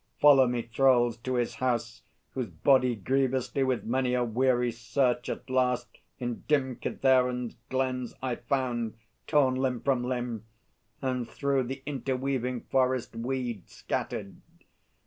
Follow me, Thralls, to his house, whose body grievously With many a weary search at last in dim Kithaeron's glens I found, torn limb from limb, And through the interweaving forest weed Scattered.